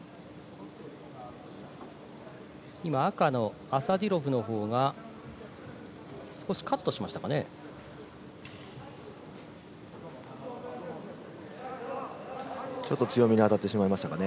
今、赤のアサディロフのほうが、少しカットしましたかね。